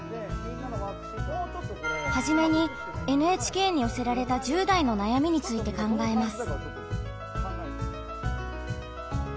はじめにＮＨＫに寄せられた１０代の悩みについて考えます。